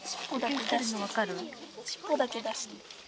尻尾だけ出してる。